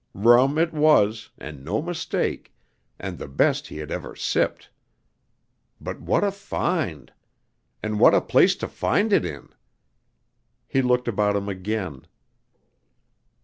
Rum it was, and no mistake, and the best he had ever sipped! But what a find! And what a place to find it in! He looked about him again.